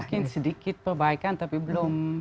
mungkin sedikit perbaikan tapi belum